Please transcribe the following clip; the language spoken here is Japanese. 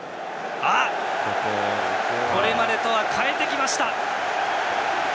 これまでとは変えてきました。